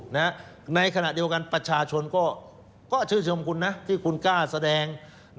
ในขณะเดียวกันประชาชนก็ชื่นชมคุณนะที่คุณกล้าแสดง